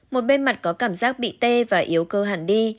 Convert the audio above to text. một bề mặt có cảm giác bị tê và yếu cơ hẳn đi